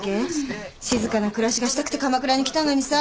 静かな暮らしがしたくて鎌倉に来たのにさ。